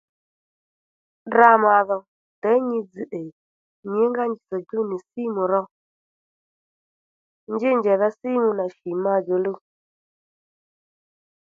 Tdra màdho děy nyi dzz̀ tdè nyǐngá nji tsò djú nì simu ro nji njèydha simu nà shì madjò luw